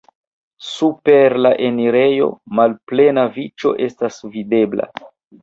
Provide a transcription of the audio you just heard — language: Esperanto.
Super la enirejo malplena niĉo estas videbla.